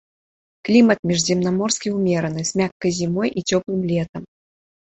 Клімат міжземнаморскі ўмераны з мяккай зімой і цёплым летам.